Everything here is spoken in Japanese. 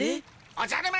おじゃる丸！